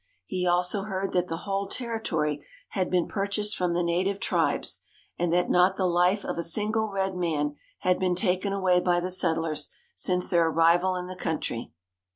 He also heard that the whole territory had been purchased from the native tribes, and that not the life of a single red man had been taken away by the settlers since their arrival in the country.